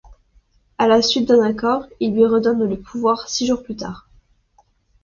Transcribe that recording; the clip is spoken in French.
À la suite d'un accord, il lui redonne le pouvoir six jours plus tard.